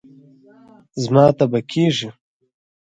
زما تبه کېږي